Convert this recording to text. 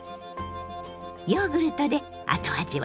ヨーグルトで後味はさっぱり。